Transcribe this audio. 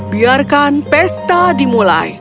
biarkan pesta dimulai